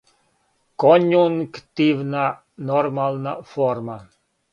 коњунктивна нормална форма